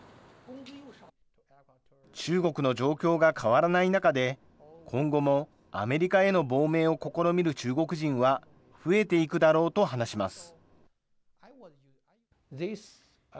中国の状況が変わらない中で、今後もアメリカへの亡命を試みる中国人は増えていくだろうと話します。